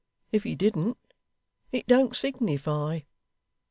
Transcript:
If he didn't, it don't signify.